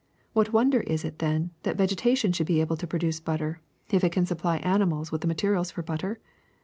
What wonder is it, then, that vegetation should be able to produce butter if it can supply animals with the materials for butter?